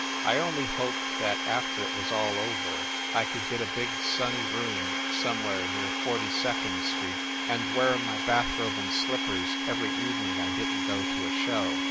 I only hoped that after it was all over, I could get a big sunny room somewhere near Forty second Street, and wear my bath robe and slippers every evening I didn t go to a show.